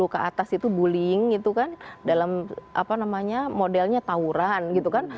dua ribu sepuluh ke atas itu bullying gitu kan dalam modelnya tawuran gitu kan